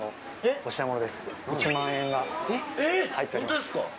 ホントですか？